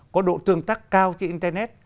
có độ tương tác cao trên internet